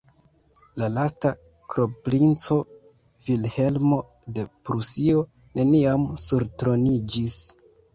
La lasta kronprinco, Vilhelmo de Prusio, neniam surtroniĝis.